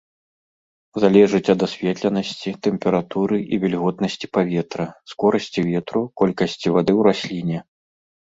Залежыць ад асветленасці, тэмпературы і вільготнасці паветра, скорасці ветру, колькасці вады ў расліне.